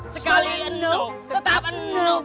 sekali enuh tetap enuh